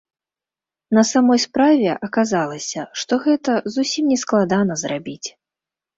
На самой справе, аказалася, што гэта зусім не складана зрабіць.